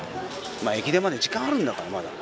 駅伝まで時間あるんだから、まだ。